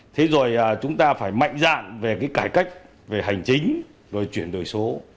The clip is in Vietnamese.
thế rồi chúng ta phải mạnh dạn về cái cải cách về hành chính rồi chuyển đổi số